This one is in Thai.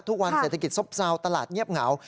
ทุกวันเศรษฐกิจซ่อมซาวตลาดเงียบเหงา